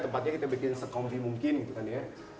tempatnya kita bikin sekompi mungkin gitu kan ya